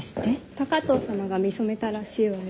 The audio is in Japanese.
高藤様が見初めたらしいわよ。